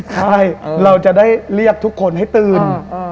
ใช่เราจะได้เรียกทุกคนให้ตื่น